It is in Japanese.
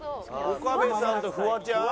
岡部さんとフワちゃん？